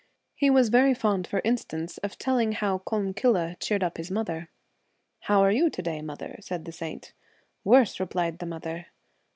He was fond, for instance, of telling how Collumcille cheered up his mother. ' How are you to day, mother ?' said the saint. I Worse,' replied the mother.